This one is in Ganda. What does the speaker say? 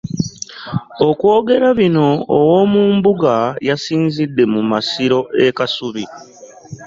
Okwogera bino owoomumbuga yasinzidde mu masiro e Kasubi.